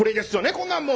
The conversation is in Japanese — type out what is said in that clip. こんなんもう。